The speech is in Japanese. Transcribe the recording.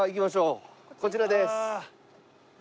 こちらです。